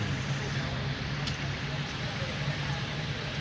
โปรดติดตามตอนต่อไป